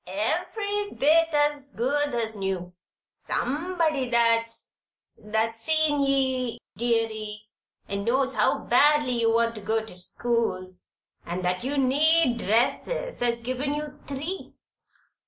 Ev'ry bit as good as new. Somebody that's that's seen ye, deary, and knows how badly you want to go to school, and that you need dresses, has given you three."